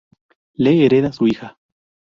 Le hereda su hija.